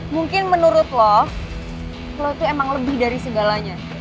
mungkin menurut lo lo tuh emang lebih dari segalanya